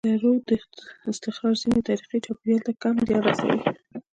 د سکرو د استخراج ځینې طریقې چاپېریال ته کم زیان رسوي.